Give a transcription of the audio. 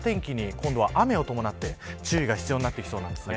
今度は雨を伴って注意が必要になってきそうです。